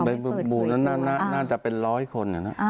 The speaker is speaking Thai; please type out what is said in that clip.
เป็นบวกนั้นน่าจะเป็นร้อยคน